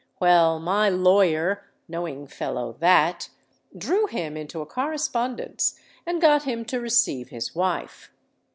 Well, my lawyer—knowing fellow, that!—drew him into a correspondence, and got him to receive his wife.